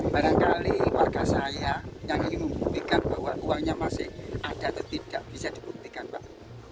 barangkali warga saya yang ingin membuktikan bahwa uangnya masih ada atau tidak bisa dibuktikan pak